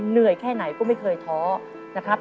เหนื่อยแค่ไหนก็ไม่เคยท้อนะครับ